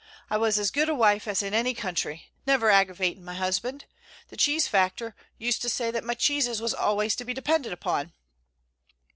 I was as good a wife as any in the country, never aggravating my husband. The cheese factor used to say that my cheeses was al'ys to be depended upon.'"